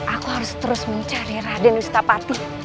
aku harus terus mencari raden ustapati